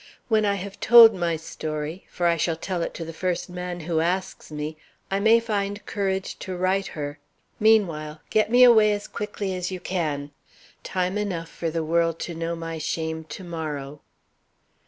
When I have told my story, for I shall tell it to the first man who asks me, I may find courage to write her. Meanwhile, get me away as quickly as you can. Time enough for the world to know my shame to morrow."